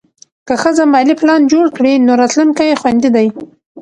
که ښځه مالي پلان جوړ کړي، نو راتلونکی خوندي دی.